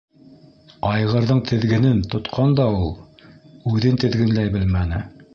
Айғырҙың теҙгенен тотҡан да ул, үҙен теҙгенләй белмәне.